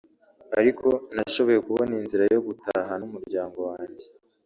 ariko nashoboye kubona inzira yo gutaha n’umuryango wanjye